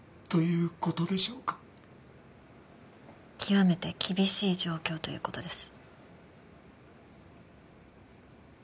極めて厳しい状況という事です。